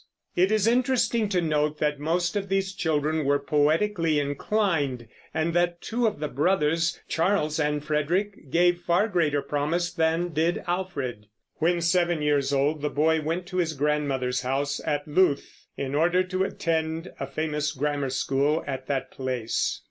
It is interesting to note that most of these children were poetically inclined, and that two of the brothers, Charles and Frederick, gave far greater promise than did Alfred. When seven years old the boy went to his grandmother's house at Louth, in order to attend a famous grammar school at that place.